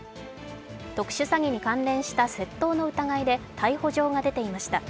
特殊詐欺に関連した窃盗の疑いで逮捕状が出ていました。